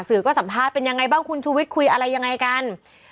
สื่อก็สัมภาษณ์เป็นยังไงบ้างคุณชูวิทย์คุยอะไรยังไงกัน